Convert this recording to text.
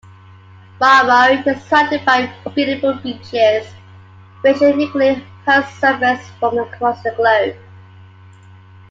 Marmari is surrounded by beautiful beaches which frequently host surfers from across the globe.